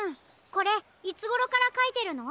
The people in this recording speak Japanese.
これいつごろからかいてるの？